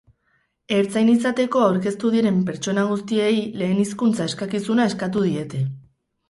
Ertzain izateko aurkeztu diren pertsona guztiei lehen hizkuntza eskakizuna eskatu diete.